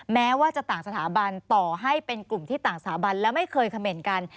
แม้ว่าจะต่างสถาบันต่อให้เป็นกลุ่มที่ต่างสถาบันแล้วไม่เคยเขม่นกัน